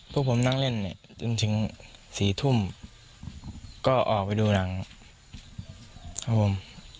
พวกผมนั่งเล่นเนี่ยจนถึง๔ทุ่มก็ออกไปดูหนังครับผม